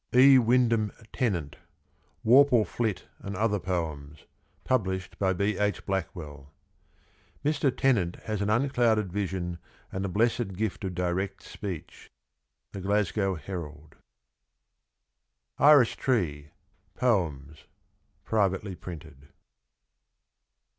99 E. Wyndham Tennant. WORPLE FLIT AND OTHER POEMS. Published by B. H. Blackwell. Mr. Tennant has an unclouded vision and a blessed gift of direct speech. — The Glasgow Herald. Iris Tree. POEMS. Privately printed.